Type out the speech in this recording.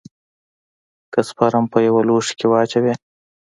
که سپرم په يوه لوښي کښې واچوې.